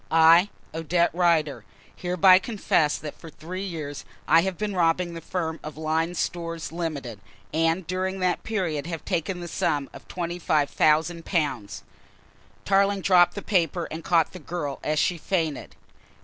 "I, Odette Rider, hereby confess that for three years I have been robbing the firm of Lyne's Stores, Limited, and during that period have taken the sum of £25,000." Tarling dropped the paper and caught the girl as she fainted.